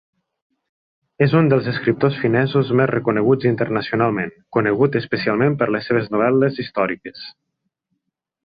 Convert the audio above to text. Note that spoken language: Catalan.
És un dels escriptors finesos més reconeguts internacionalment, conegut especialment per les seves novel·les històriques.